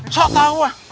sok tau ah